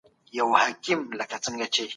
دا کتابتون د دوی د ګډ ژوند نښه شوه.